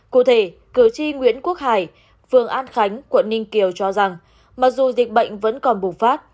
cụ thể cử tri nguyễn quốc hải phường an khánh quận ninh kiều cho rằng mặc dù dịch bệnh vẫn còn bùng phát